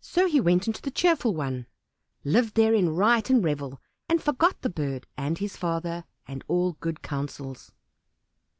So he went into the cheerful one, lived there in riot and revel, and forgot the bird and his father, and all good counsels.